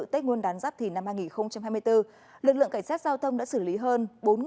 tết nguyên đán giáp thì năm hai nghìn hai mươi bốn lực lượng cảnh sát giao thông đã xử lý hơn